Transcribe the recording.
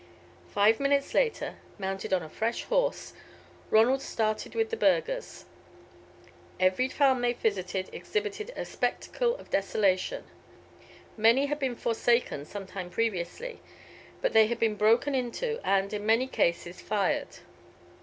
Five minutes later, mounted on a fresh horse, Ronald started with the burghers. Every farm they visited exhibited a spectacle of desolation; many had been forsaken some time previously, but they had been broken into, and, in many cases, fired.